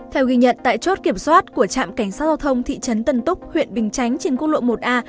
theo ghi nhận tại chốt kiểm soát của trạm cảnh sát giao thông thị trấn tân túc huyện bình chánh trên quốc lộ một a